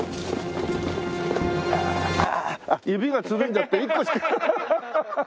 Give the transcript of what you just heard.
あっ指がつるんじゃって１個しかハハハハ！